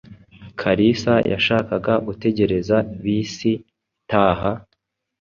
Kalisa yashakaga gutegereza bisi itaha.